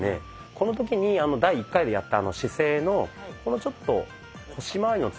この時に第１回でやった姿勢のこのちょっと腰まわりの作り方ですね。